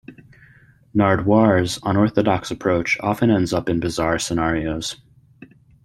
Nardwuar's unorthodox approach often ends up in bizarre scenarios.